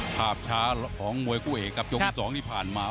ภาพช้าของมวยคู่เอกครับยกที่๒ที่ผ่านมา